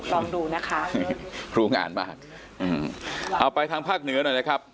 ลองดูนะคะรู้งานมากอืมเอาไปทางภาคเหนือหน่อยนะครับ